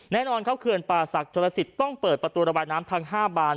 แน่นอนครับเขื่อนป่าศักดิลสิทธิ์ต้องเปิดประตูระบายน้ำทั้ง๕บาน